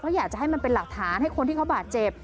อยากจะให้มันเป็นหลักฐานให้คนที่เขาบาดเจ็บ